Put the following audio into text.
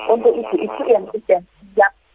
untuk ibu ibu yang sudah siap